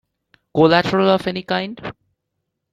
Collateral of any kind?